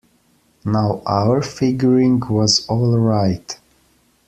Now our figuring was all right.